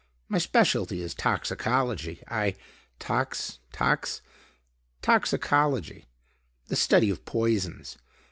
My specialty is toxicology. I...." "Tox tox...?" "Toxicology; the study of poisons.